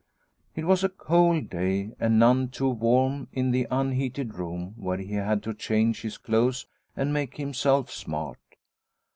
It was a cold day and none too warm in the unheated room where he had to change his clothes and make himself smart.